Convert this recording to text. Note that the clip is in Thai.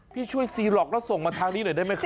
พี่ช่วยซีหลอกแล้วส่งมาทางนี้หน่อยได้ไหมครับ